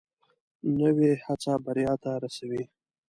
نوې هڅه بریا ته رسوي